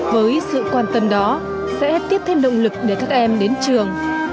với sự quan tâm đó sẽ tiếp thêm động lực để các em đến trường